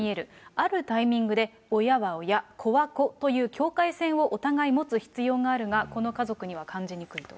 あるタイミングで親は親、子は子という境界線をお互い持つ必要があるが、この家族には感じにくいと。